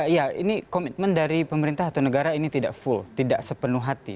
ya ini komitmen dari pemerintah atau negara ini tidak full tidak sepenuh hati